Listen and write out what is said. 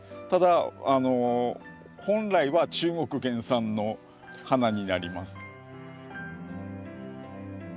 ただ本来は中国原産の花になります。